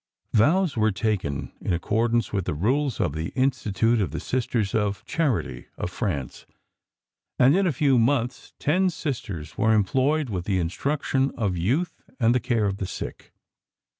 Vows were taken in accordance with the rules of the institute of the Sisters of Charity, of France, and in a few months ten Sisters were employed with the instruction of youth and the care of the sick.